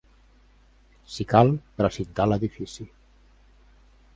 Si cal, precintar l’edifici.